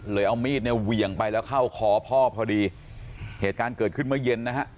เอามีดเนี่ยเหวี่ยงไปแล้วเข้าคอพ่อพอดีเหตุการณ์เกิดขึ้นเมื่อเย็นนะฮะ